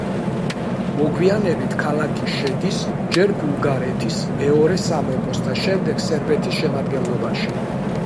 მოგვიანებით ქალაქი შედის ჯერ ბულგარეთის მეორე სამეფოს და შემდეგ სერბეთის შემადგენლობაში.